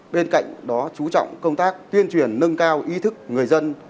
bên cạnh đó chú trọng công tác tuyên truyền nâng cao ý thức người dân